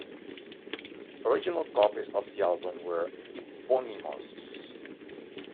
Original copies of the album were eponymous.